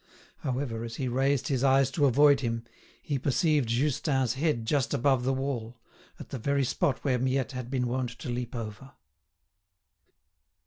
However, as he raised his eyes to avoid him, he perceived Justin's head just above the wall, at the very spot where Miette had been wont to leap over.